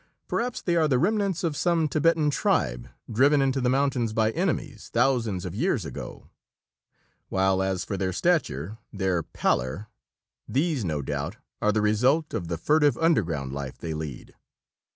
Perhaps they are the remnants of some Tibetan tribe driven into the mountains by enemies, thousands of years ago. While as for their stature, their pallor these no doubt are the result of the furtive underground life they lead."